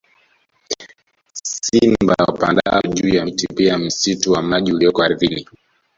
Simba wapandao juu ya miti pia msitu wa maji ulioko ardhini